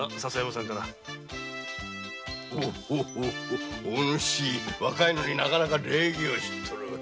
お主若いのになかなか礼儀を知っとる。